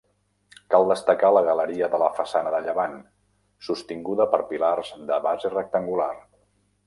Cal destacar la galeria de la façana de llevant, sostinguda per pilars de base rectangular.